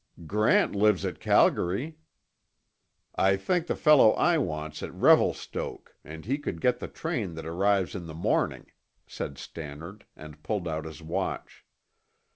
"Grant lives at Calgary." "I think the fellow I want's at Revelstoke and he could get the train that arrives in the morning," said Stannard, and pulled out his watch.